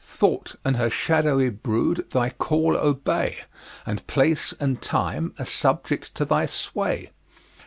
Thought and her shadowy brood thy call obey, And Place and Time are subject to thy sway!